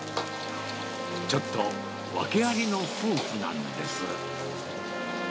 ちょっと訳ありの夫婦なんです。